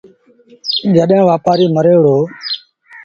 جڏهيݩ وآپآريٚ مري وهُڙو